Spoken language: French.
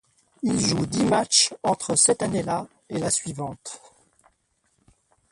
Il joue dix matchs entre cette année-là et la suivante.